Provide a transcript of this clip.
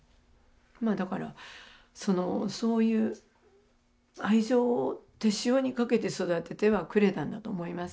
まあだからそのそういう愛情を手塩にかけて育ててはくれたんだと思います。